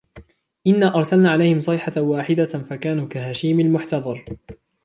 إِنَّا أَرْسَلْنَا عَلَيْهِمْ صَيْحَةً وَاحِدَةً فَكَانُوا كَهَشِيمِ الْمُحْتَظِرِ